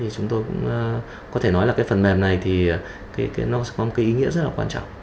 chúng tôi cũng có thể nói là phần mềm này nó sẽ có một ý nghĩa rất quan trọng